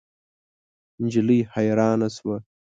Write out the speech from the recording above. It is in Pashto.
نجلۍ حیرانه شوه.